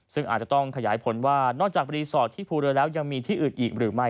ซึ่งอาจจะต้องขยายผลว่านอกจากรีสอร์ทที่ภูเรือแล้วยังมีที่อื่นอีกหรือไม่